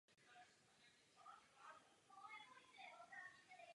Proslavil se jako významná archeologická lokalita.